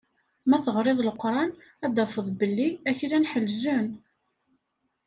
Ma teɣriḍ Leqran, ad tafeḍ belli aklan ḥellelen.